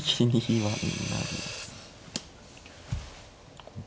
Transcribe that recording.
はい。